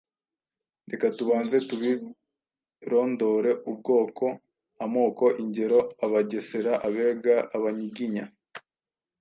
reka tubanze tubirondore: ubwoko (amoko, ingero: Abagesera, Abega, Abanyiginya